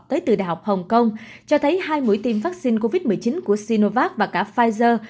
tới từ đại học hồng kông cho thấy hai mũi tiêm vaccine covid một mươi chín của sinovac và cả pfizer